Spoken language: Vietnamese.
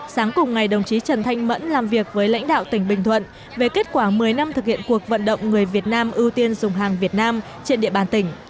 sáng cùng ngày đồng chí trần thanh mẫn làm việc với lãnh đạo tỉnh bình thuận về kết quả một mươi năm thực hiện cuộc vận động người việt nam ưu tiên dùng hàng việt nam trên địa bàn tỉnh